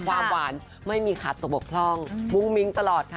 ความหวานไม่มีขาดตกบกพร่องมุ้งมิ้งตลอดค่ะ